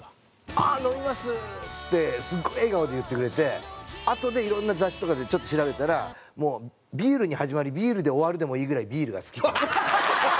ああ飲みます！ってすごい笑顔で言ってくれてあとでいろんな雑誌とかでちょっと調べたら「もうビールに始まりビールで終わるでもいいぐらいビールが好き」。